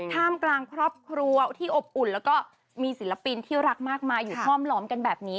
ท่ามกลางครอบครัวที่อบอุ่นแล้วก็มีศิลปินที่รักมากมายอยู่ห้อมล้อมกันแบบนี้